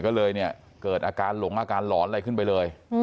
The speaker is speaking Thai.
ก็เลยเนี่ยเกิดอาการหลงอาการหลอนอะไรขึ้นไปเลย